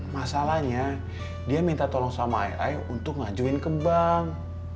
masalahnya dia minta tolong sama ai untuk ngajuin ke bank